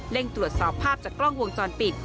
ตรวจสอบภาพจากกล้องวงจรปิด